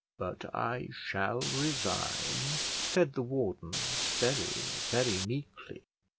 "But I shall resign," said the warden, very, very meekly.